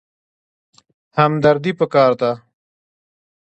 همدردي پکار ده